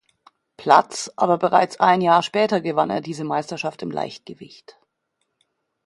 Platz, aber bereits ein Jahr später gewann er diese Meisterschaft im Leichtgewicht.